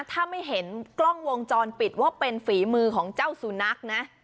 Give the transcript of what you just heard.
ถ้าไม่เห็นกล้องวงจรปิดว่าเป็นฝีมือของเจ้าสุนัขนะ